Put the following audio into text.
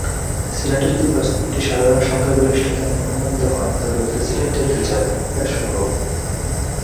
সিনেটে যদি প্রস্তাবটি সাধারণ সংখ্যাগরিষ্ঠতায় অনুমোদিত হয়, তবে প্রেসিডেন্টের বিচার-প্রক্রিয়া শুরু হবে।